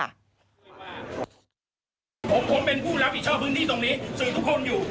ผมเป็นผู้รับผิดชอบพื้นที่ตรงนี้สื่อทุกคนอยู่